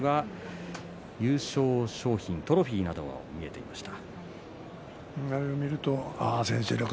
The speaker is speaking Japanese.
奥には優勝賞品、トロフィーなども見えてきました。